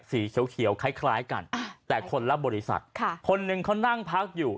สีเขียวเขียวคล้ายกันอ่าแต่คนล่ะบริษัทค่ะคนนึงเขานั่งพักอยู่